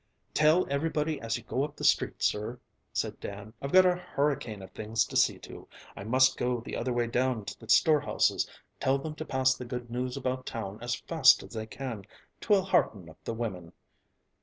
"Tell everybody as you go up the street, sir," said Dan. "I've got a hurricane of things to see to; I must go the other way down to the storehouses. Tell them to pass the good news about town as fast as they can; 'twill hearten up the women."